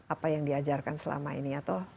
apa yang diajarkan selama ini atau